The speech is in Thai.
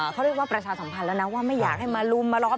เขาเรียกว่าประชาสัมพันธ์แล้วนะว่าไม่อยากให้มาลุมมาล้อม